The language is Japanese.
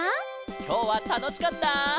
きょうはたのしかった？